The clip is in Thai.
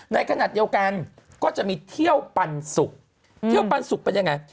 ในขณะเดียวกันก็จะมีเที่ยวปันสุกเที่ยวปันสุกเป็นยังไง